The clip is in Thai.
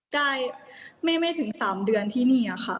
ได้ไม่ถึง๓เดือนที่นี่ค่ะ